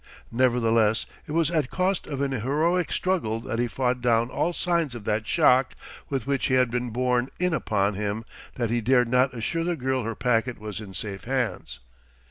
Nevertheless, it was at cost of an heroic struggle that he fought down all signs of that shock with which it had been borne in upon him that he dared not assure the girl her packet was in safe hands.